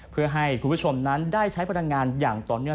เพื่อให้คุณผู้ชมนั้นได้ใช้พลังงานอย่างต่อเนื่อง